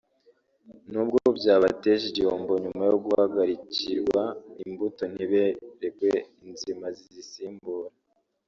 n’ubwo byabateje igihombo nyuma yo guhagarikirwa imbuto ntiberekwe inzima zizisimbura